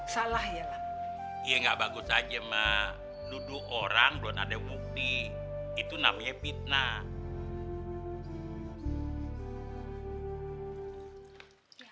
salah ya iya nggak bagus aja mah duduk orang belum ada bukti itu namanya fitnah